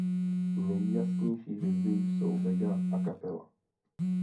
Nejjasnější hvězdy jsou Vega a Capella.